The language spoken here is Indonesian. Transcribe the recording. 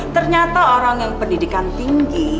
ternyata orang yang pendidikan tinggi